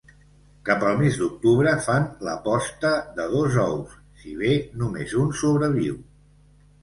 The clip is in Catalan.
Cap al mes d'octubre fan la posta, de dos ous, si bé només un sobreviu.